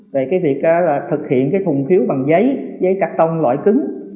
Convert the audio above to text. về việc thực hiện thùng phiếu bằng giấy giấy cạc tông loại cứng